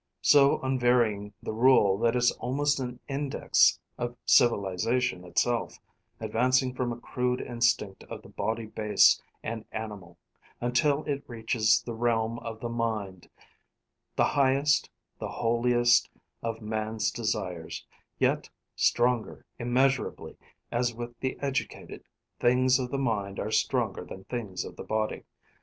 So unvarying the rule that it's almost an index of civilization itself, advancing from a crude instinct of the body base and animal until it reaches the realm of the mind: the highest, the holiest of man's desires: yet stronger immeasurably, as with the educated, things of the mind are stronger than things of the body.